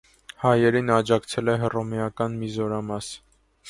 Հայերին աջակցել է հռոմեական մի զորամաս։